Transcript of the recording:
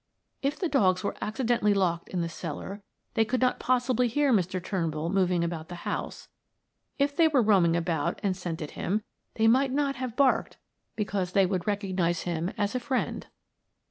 "If the dogs were accidentally locked in the cellar they could not possibly hear Mr. Turnbull moving about the house; if they were roaming about and scented him, they might not have barked because they would recognize him as a friend."